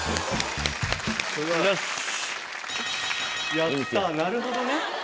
やったなるほどね。